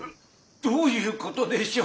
どういう事でしょう？